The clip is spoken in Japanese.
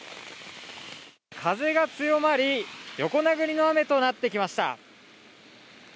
風が強まり横殴りの雨となってきました。